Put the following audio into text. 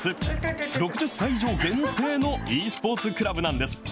６０歳以上限定のｅスポーツクラブなんです。